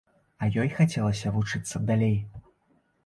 А ёй хацелася вучыцца далей.